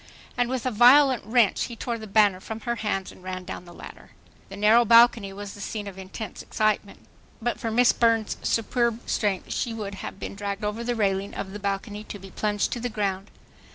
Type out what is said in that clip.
And with a violent wrench he tore the banner from her hands and ran down the ladder. The narrow balcony was the scene of intense excitement. But for Miss Burns' superb strength she would have been dragged over the railing of the balcony to be plunged to the ground.